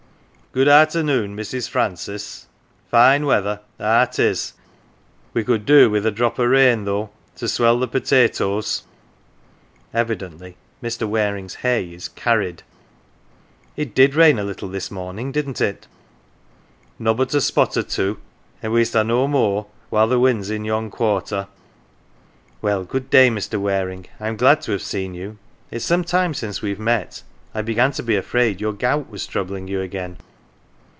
" Good arternoon, Mrs. Francis. Fine weather ah, 'tis. We could do with a drop o' rain, though, to swell the potatoes." (Evidently Mr. Waring's hay is " earned.") " It did rain a little this morning, didn't it ?"" Nobbut a spot or two, an' we'st ha 1 no moor while the wind's in yon quarter." " Well, good day, Mr. Waring. I'm glad to have seen you. It's some time since we have met I began to be afraid your gout was troubling you again."